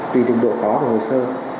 tùy từng độ khó của hồ sơ